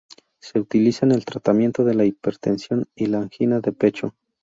Se utiliza en el tratamiento de la hipertensión y la angina de pecho.